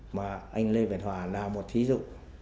mà anh lê việt hòa là một ví dụ